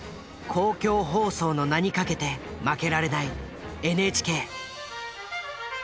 公共放送の名に懸けて負けられないＮＨＫ。